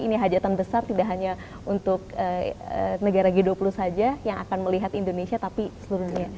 ini hajatan besar tidak hanya untuk negara g dua puluh saja yang akan melihat indonesia tapi seluruh dunia